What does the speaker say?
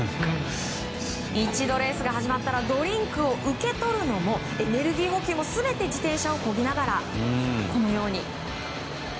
一度レースが始まったらドリンクを受け取るのもエネルギー補給も全て自転車をこぎながら。